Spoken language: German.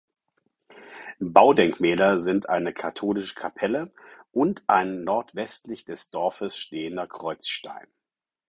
Baudenkmäler sind eine katholische Kapelle und ein nordwestlich des Dorfes stehender Kreuzstein.